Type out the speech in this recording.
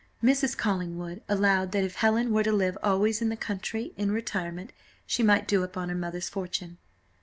Mrs. Collingwood allowed that if Helen were to live always in the country in retirement, she might do upon her mother's fortune.